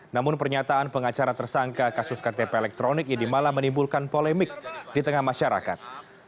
namun pernyataan pengacara tersangka kasus ktp elektronik ini malah menimbulkan polemik di tengah masyarakat